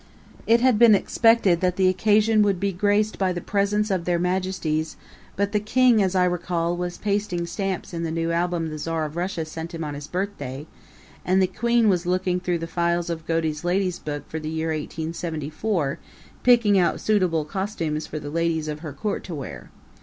It had been expected that the occasion would be graced by the presence of Their Majesties; but the king, as I recall, was pasting stamps in the new album the Czar of Russia sent him on his birthday, and the queen was looking through the files of Godey's Lady's Book for the year 1874, picking out suitable costumes for the ladies of her court to wear.